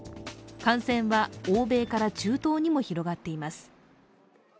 感染は欧米から中東にも広がっています。